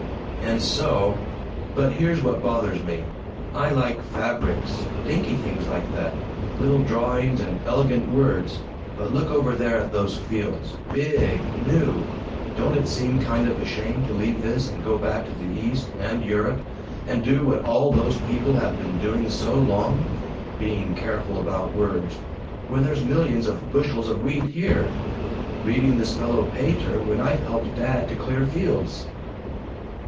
"And so But here's what bothers me: I like fabrics; dinky things like that; little drawings and elegant words. But look over there at those fields. Big! New! Don't it seem kind of a shame to leave this and go back to the East and Europe, and do what all those people have been doing so long? Being careful about words, when there's millions of bushels off wheat here! Reading this fellow Pater, when I've helped Dad to clear fields!"